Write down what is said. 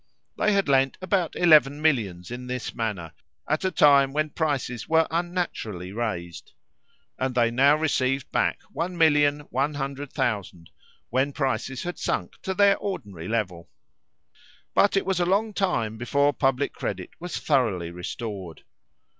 They had lent about eleven millions in this manner, at a time when prices were unnaturally raised; and they now received back one million one hundred thousand, when prices had sunk to their ordinary level. But it was a long time before public credit was thoroughly restored.